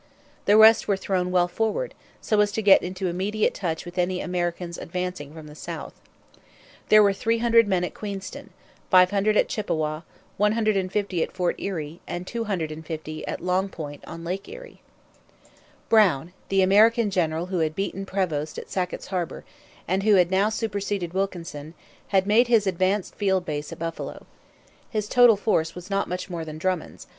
The rest were thrown well forward, so as to get into immediate touch with any Americans advancing from the south. There were 300 men at Queenston, 500 at Chippawa, 150 at Fort Erie, and 250 at Long Point on Lake Erie. Brown, the American general who had beaten Prevost at Sackett's Harbour and who had now superseded Wilkinson, had made his advanced field base at Buffalo. His total force was not much more than Drummond's.